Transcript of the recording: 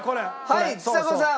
はいちさ子さん！